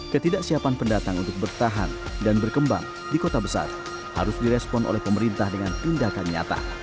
ketidaksiapan pendatang untuk bertahan dan berkembang di kota besar harus direspon oleh pemerintah dengan tindakan nyata